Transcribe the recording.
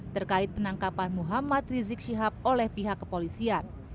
terkait penangkapan muhammad rizik syihab oleh pihak kepolisian